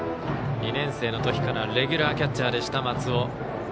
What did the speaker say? ２年生のときからレギュラーキャッチャーでした松尾。